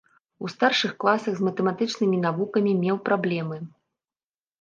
У старшых класах з матэматычнымі навукамі меў праблемы.